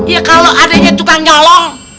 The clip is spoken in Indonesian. ya kalau adeknya tukang nyolong